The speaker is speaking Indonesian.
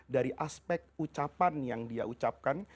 dari aspek ucapan yang dia ucapkan